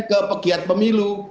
ke pegiat pemilu